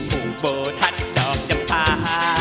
มุมเบอร์ทัดเติมจังพาฮา